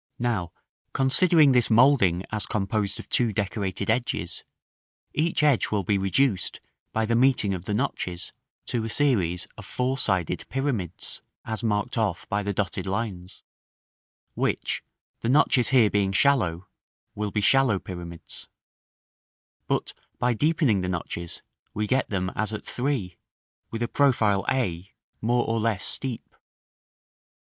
Now, considering this moulding as composed of two decorated edges, each edge will be reduced, by the meeting of the notches, to a series of four sided pyramids (as marked off by the dotted lines), which, the notches here being shallow, will be shallow pyramids; but by deepening the notches, we get them as at 3, with a profile a, more or less steep.